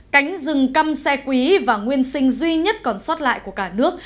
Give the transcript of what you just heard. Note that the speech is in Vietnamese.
cánh rừng cam xe quý và nguyên sinh duy nhất còn sót lại của cả nước